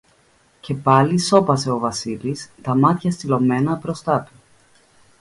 Και πάλι σώπασε ο Βασίλης, τα μάτια στυλωμένα μπροστά του